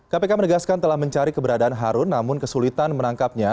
kpk menegaskan telah mencari keberadaan harun namun kesulitan menangkapnya